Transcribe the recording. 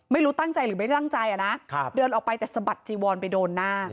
ไม่รู้ตั้งใจหรือไม่ตั้งใจอ่ะนะเดินออกไปแต่สะบัดจีวอนไปโดนหน้า